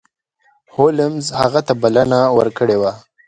هولمز هغه ته بلنه ورکړې وه.